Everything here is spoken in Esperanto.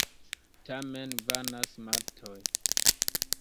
Tamen vanas matoj.